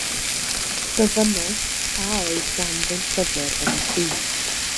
Gofynnais a oedd ganddynt lyfr yn y tŷ.